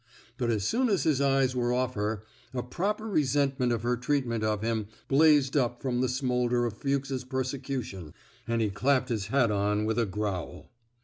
But as soon as his eyes were off her, a proper resentment of her treatment of him blazed up from the smoul der of Fuchs's persecution, and he clapped his hat on with a growl.